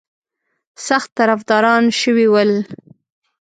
سخت طرفداران شوي ول.